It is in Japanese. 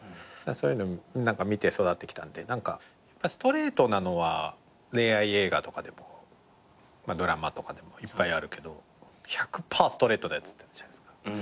そういうの見て育ってきたんでストレートなのは恋愛映画とかでもドラマとかでもいっぱいあるけど１００％ストレートなやつって。